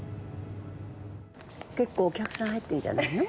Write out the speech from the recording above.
結構お客さん入ってるじゃないの。